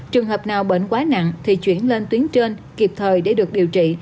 trường hợp nào bệnh quá nặng thì chuyển lên tuyến trên kịp thời để được điều trị